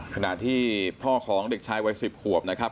ขณะที่พ่อของเด็กชายวัย๑๐ขวบนะครับ